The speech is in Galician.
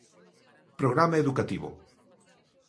Programa educativo.